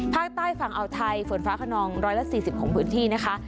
ภาคใต้ฝั่งอ่าวไทยฝนฟ้าขนอง๑๔๐ของพื้นที่นะคะ